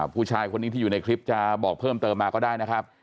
ผู้ชายคนนี้ที่อยู่ในคลิปจะบอกเพิ่มเติมมาก็ได้นะครับ